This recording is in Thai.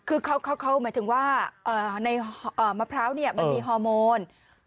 คือเขาหมายถึงว่าในมะพร้าวมันมีฮอร์โมน